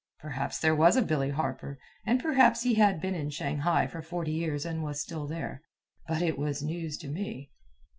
Perhaps there was a Billy Harper, and perhaps he had been in Shanghai for forty years and was still there; but it was news to me.